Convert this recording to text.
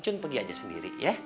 cuma pergi aja sendiri ya